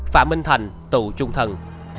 phạm minh thành tù trung thân